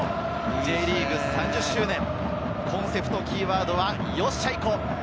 Ｊリーグ３０周年、コンセプトキーワードは「よっしゃいこ！」。